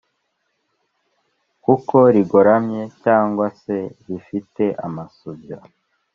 kuko rigoramye cyangwa se rifite amasubyo;